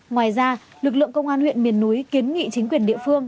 ngoài ra lực lượng công an huyện miền núi kiến nghị chính quyền địa phương